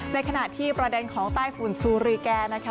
ในขณะที่ประเด็นของใต้ฝุ่นซูรีแกนะคะ